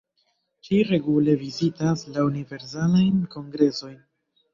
Ŝi regule vizitas la universalajn kongresojn.